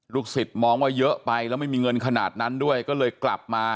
สิทธิ์มองว่าเยอะไปแล้วไม่มีเงินขนาดนั้นด้วยก็เลยกลับมา